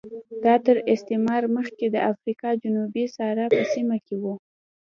دا تر استعمار مخکې د افریقا جنوبي صحرا په سیمه کې و